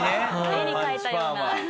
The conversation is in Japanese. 絵に描いたような。